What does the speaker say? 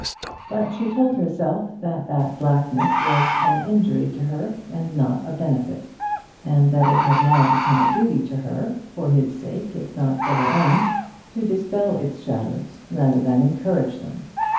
But she told herself that that blackness was an injury to her, and not a benefit, and that it had now become a duty to her, for his sake, if not for her own, to dispel its shadows rather than encourage them.